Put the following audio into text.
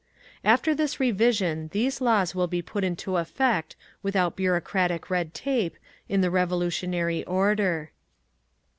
After this revision these laws will be put into effect without any bureaucratic red tape, in the revolutionary order.